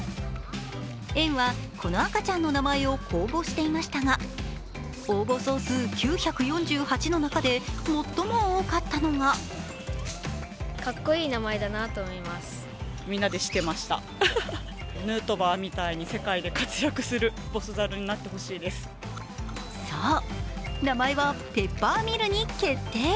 園は、この赤ちゃんの名前を公募していましたが応募総数９４８の中で最も多かったのがそう、名前はペッパーミルに決定。